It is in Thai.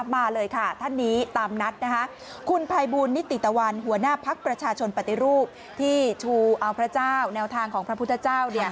มาเลยค่ะท่านนี้ตามนัดนะคะคุณภัยบูลนิติตะวันหัวหน้าภักดิ์ประชาชนปฏิรูปที่ชูเอาพระเจ้าแนวทางของพระพุทธเจ้า